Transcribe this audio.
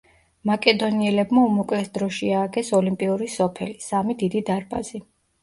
მაკედონიელებმა უმოკლეს დროში ააგეს ოლიმპიური სოფელი, სამი დიდი დარბაზი.